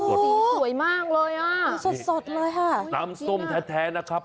สีสวยมากเลยอ่ะสดสดเลยค่ะน้ำส้มแท้แท้นะครับ